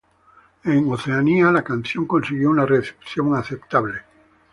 En Oceanía, la canción consiguió una recepción aceptable.